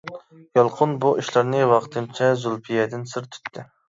يالقۇن بۇ ئىشلارنى ۋاقتىنچە زۇلپىيەدىن سىر تۇتتى.